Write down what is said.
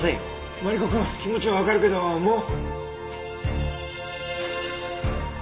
マリコくん気持ちはわかるけどもう。